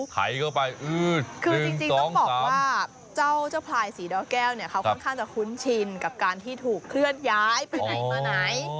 ไขเข้าไปคือจริงต้องบอกว่าเจ้าเจ้าพลายสีดอแก้วเนี่ยเขาค่อนข้างจะคุ้นชินกับการที่ถูกเคลื่อนย้ายไปไหนมาไหน